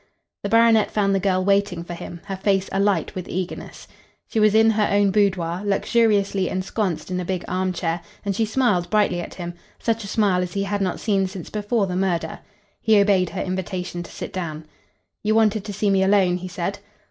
The baronet found the girl waiting for him, her face alight with eagerness. She was in her own boudoir, luxuriously ensconced in a big arm chair, and she smiled brightly at him such a smile as he had not seen since before the murder. He obeyed her invitation to sit down. "You wanted to see me alone," he said.